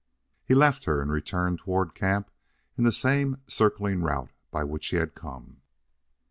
He left her and returned toward camp in the same circling route by which he had come.